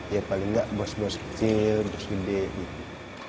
ya paling nggak bos bos kecil bos gede gitu